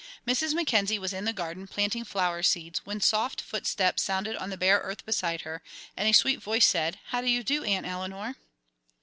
Mrs. Mackenzie was in the garden, planting flower seeds, when soft footsteps sounded on the bare earth beside her, and a sweet voice said, "How do you do, Aunt Eleanor?"